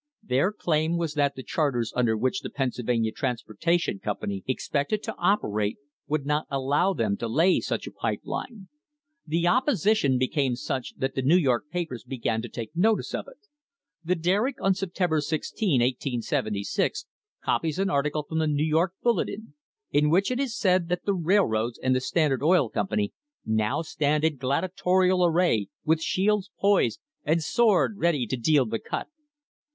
Their claim was that the charters under which the Pennsyl vania Transportation Company expected to operate would not allow them to lay such a pipe line. The opposition became such that the New York papers began to take notice of it. The Derrick on September 16, 1876, copies an article from the New York Bulletin in which it is said that the railroads and the Standard Oil Company, "now stand in gladiatorial array, with shields poised and sword ready to deal the cut."